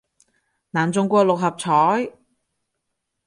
難中過六合彩